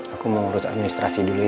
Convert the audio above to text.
aku mau urut administrasi dulu ya